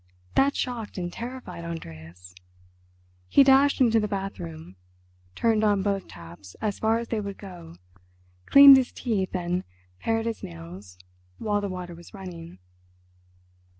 That shocked and terrified Andreas. He dashed into the bathroom, turned on both taps as far as they would go, cleaned his teeth and pared his nails while the water was running.